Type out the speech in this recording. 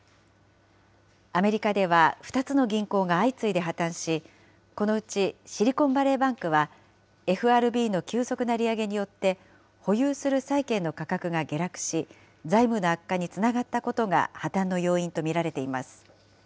アメリカでは２つの銀行が相次いで破綻し、このうちシリコンバレーバンクは、ＦＲＢの急速な利上げによって、保有する債券の価格が下落し、財務の悪化につながったことが破綻の要因と見られています。